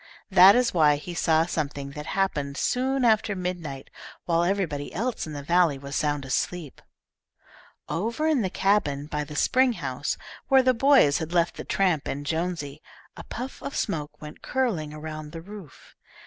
That is why he saw something that happened soon after midnight, while everybody else in the valley was sound asleep. Over in the cabin by the spring house where the boys had left the tramp and Jonesy, a puff of smoke went curling around the roof.